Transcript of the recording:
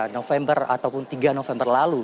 november ataupun tiga november lalu